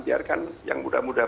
biarkan yang mudah mudah